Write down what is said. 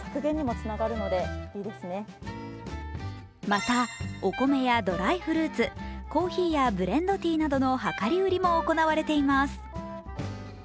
またお米やドライフルーツコーヒーやブレンドティーなどの量り売りも行われています。